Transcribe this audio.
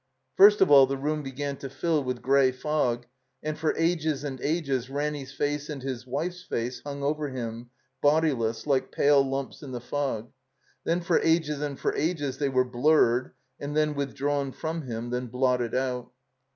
First of all the room began to fill with gray fog, and for ages and ages Ranny's face and his wife's face hung over him, bodiless, like pale Itmips in the fog. Then for ages and for ages they were blurred, and then withdrawn from him, then blotted out.